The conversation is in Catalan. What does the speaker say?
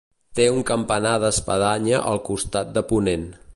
Té un campanar d'espadanya al costat de ponent.